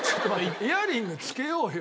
イヤリングつけようよ。